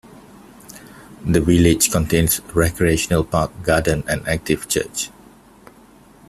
The village contains a recreational park, garden and an active church.